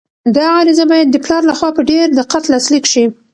دا عریضه باید د پلار لخوا په ډېر دقت لاسلیک شي.